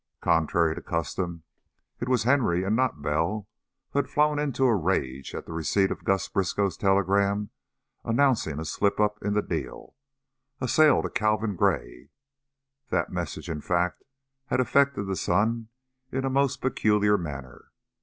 Contrary to custom, it was Henry, and not Bell, who had flown into a rage at receipt of Gus Briskow's telegram announcing a slip up in the deal a sale to Calvin Gray; that message, in fact, had affected the son in a most peculiar manner.